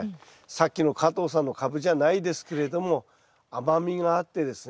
さっきの加藤さんのカブじゃないですけれども甘みがあってですね